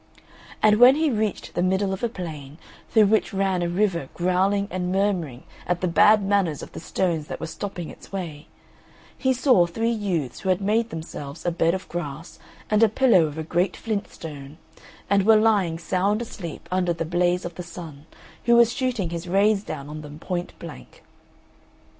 And when he reached the middle of a plain, through which ran a river growling and murmuring at the bad manners of the stones that were stopping its way, he saw three youths who had made themselves a bed of grass and a pillow of a great flint stone, and were lying sound asleep under the blaze of the Sun, who was shooting his rays down on them point blank.